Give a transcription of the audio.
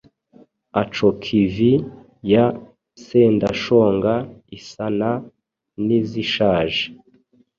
Acokivi ya Sendashonga isana n’izishaje